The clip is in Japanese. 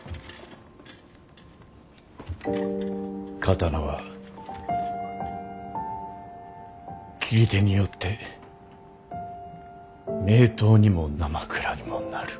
刀は斬り手によって名刀にもなまくらにもなる。